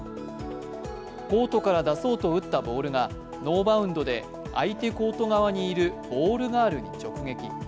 コートから出そうと打ったボールがノーバウンドで相手コート側にいるボールガールに直撃。